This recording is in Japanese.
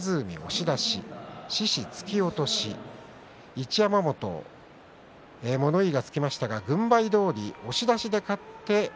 一山本、物言いはつきましたが軍配どおり押し出しで勝っています